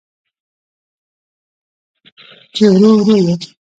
چې ورو، ورو یې